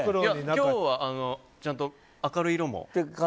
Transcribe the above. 今日はちゃんと明るい色も。